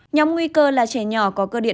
nhóm nguy cơ là trẻ nhỏ có cơ địa